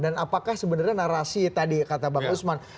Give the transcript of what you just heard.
dan apakah sebenarnya narasi tadi kata bang usman